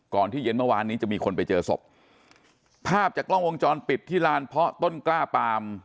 ที่เย็นเมื่อวานนี้จะมีคนไปเจอศพภาพจากกล้องวงจรปิดที่ลานเพาะต้นกล้าปาม